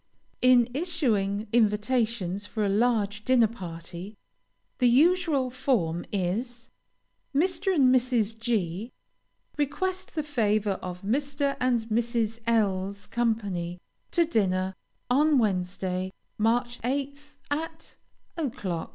In issuing invitations for a large dinner party, the usual form is _Mr. and Mrs. G request the favor of Mr. and Mrs. L 's company to dinner, on Wednesday, March 8th, at o'clock.